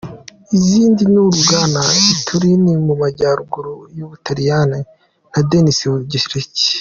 Izindi ni urugana i Turin mu majyaruguru y’u Butaliyani na Athens mu Bugereki.